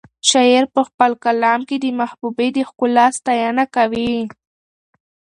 شاعر په خپل کلام کې د محبوبې د ښکلا ستاینه کوي.